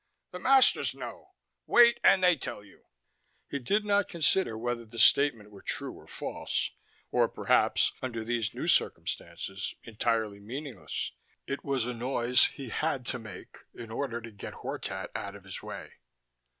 The masters know. Wait and they tell you." He did not consider whether the statement were true, or false, or perhaps (under these new circumstances) entirely meaningless: it was a noise he had to make in order to get Hortat out of his way.